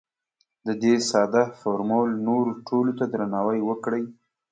د دې ساده فورمول نورو ټولو ته درناوی وکړئ.